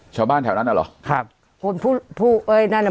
ชาวบ้านแถวนั้นอ่ะเหรอครับคนผู้เอ้ยนั่นอ่ะ